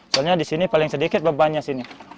soalnya di sini paling sedikit bebannya sini